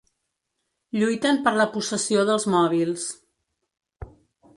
Lluiten per la possessió dels mòbils.